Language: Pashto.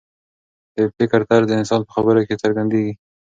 د فکر طرز د انسان په خبرو کې څرګندېږي.